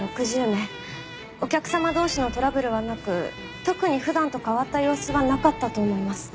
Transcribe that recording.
お客様同士のトラブルはなく特に普段と変わった様子はなかったと思います。